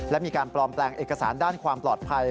และมีการปลอมแปลงเอกสารด้านความปลอดภัย